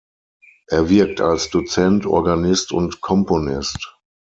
Er wirkt als Dozent, Organist und Komponist.